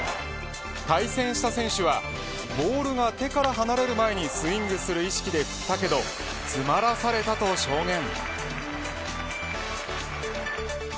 対戦した選手はボールが手から離れる前にスイングする意識で振ったけど詰まらされたと証言。